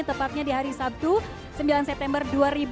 tepatnya di hari sabtu sembilan september dua ribu dua puluh